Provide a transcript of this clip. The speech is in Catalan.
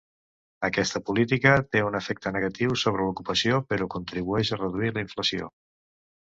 Aquesta política té un efecte negatiu sobre l'ocupació però contribueix a reduir la inflació.